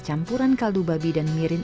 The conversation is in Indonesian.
campuran kaldu babi dan mirin